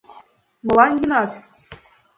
Молан йӱынат?